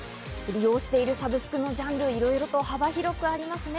利用しているサブスクのジャンル、いろいろと幅広くありますね。